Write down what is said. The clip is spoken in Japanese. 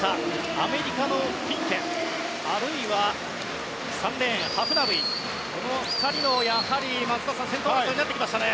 アメリカのフィンケあるいは３レーン、ハフナウイやはりこの２人の先頭争いになってきましたね。